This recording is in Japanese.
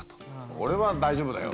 「俺は大丈夫だよ」と。